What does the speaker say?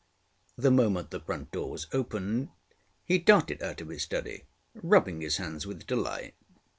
The moment the front door was opened he darted out of his study, rubbing his hands with delight.